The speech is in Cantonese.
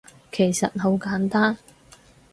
其實好簡單